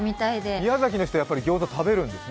宮崎の人ギョーザ食べるんですね。